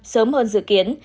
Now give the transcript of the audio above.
sớm hơn dự kiến